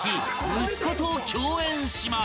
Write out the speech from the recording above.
息子と共演します］